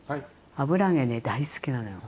油揚げね大好きなのよ。